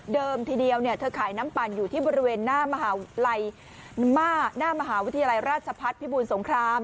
เดิมทีเดียวเธอขายน้ำปั่นอยู่ที่บริเวณหน้ามหาวิทยาลัยราชพัฒน์พิบูรณ์สงคราม